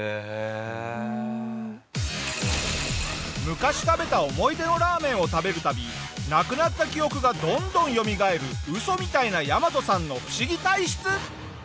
昔食べた思い出のラーメンを食べる度なくなった記憶がどんどんよみがえるウソみたいなヤマトさんの不思議体質。